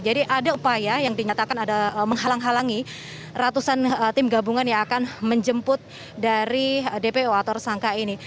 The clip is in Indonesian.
jadi ada upaya yang dinyatakan ada menghalang halangi ratusan tim gabungan yang akan menjemput dari dpo atau tersangka ini